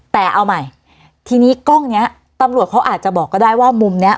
แต่เอาใหม่ทีนี้กล้องเนี้ยตำรวจเขาอาจจะบอกก็ได้ว่ามุมเนี้ย